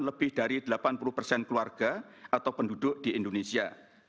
lebih dari delapan puluh persen keluarga atau penduduk di indonesia